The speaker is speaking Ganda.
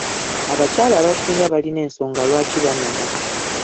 Abakyala abasing balina ensonga lwaki banoba.